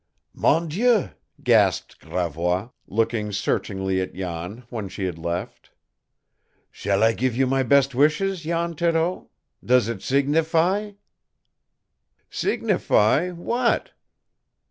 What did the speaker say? "Mon Dieu!" gasped Gravois, looking searchingly at Jan, when she had left. "Shall I give you my best wishes, Jan Thoreau? Does it signify?" "Signify what?"